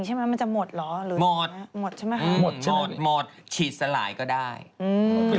ใช่มะมันจะหมดเหรอหมดหมดใช่มะหมดหมดหมดฉีดสลายก็ได้อืม